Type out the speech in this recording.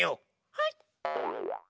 はい。